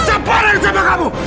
semparan kan kamu